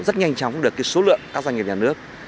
rất nhanh chóng được số lượng các doanh nghiệp nhà nước